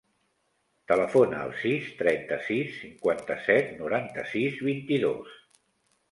Telefona al sis, trenta-sis, cinquanta-set, noranta-sis, vint-i-dos.